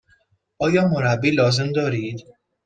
آیا مربی لازم دارید؟